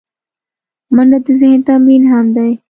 منډه د ذهن تمرین هم دی